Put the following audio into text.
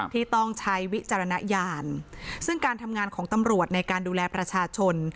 ที่ต้องใช้วิจารณญาณซึ่งการทำงานของตำรวจในการดูแลประชาชน